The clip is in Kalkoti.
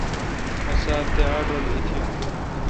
مہ سات تے آڑھ رل ایتیون